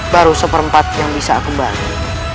baru seperempat yang bisa aku balik